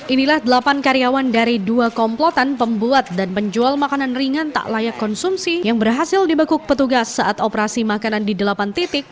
inilah delapan karyawan dari dua komplotan pembuat dan penjual makanan ringan tak layak konsumsi yang berhasil dibekuk petugas saat operasi makanan di delapan titik